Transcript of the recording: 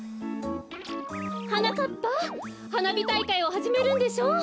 はなかっぱはなびたいかいをはじめるんでしょう？